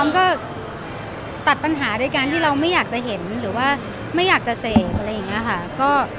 ก็ตัดปัญหาด้วยการที่เราไม่อยากจะเห็นหรือว่าไม่อยากจะเสพอะไรอย่างนี้ค่ะ